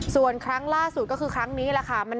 ส่วนครั้งล่าสุดก็คือครั้งนี้แหละค่ะ